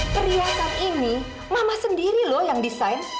perhiasan ini mama sendiri loh yang desain